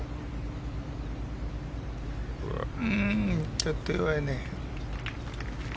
ちょっと弱いね。